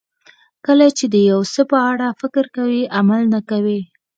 کله چې د یو څه په اړه فکر کوئ عمل نه کوئ.